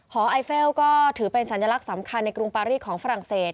ไอเฟลก็ถือเป็นสัญลักษณ์สำคัญในกรุงปารีสของฝรั่งเศส